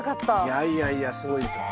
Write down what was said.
いやいやいやすごいですよ。